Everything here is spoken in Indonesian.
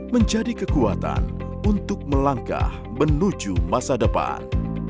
menjadi kekuatan untuk melangkah menuju masa depan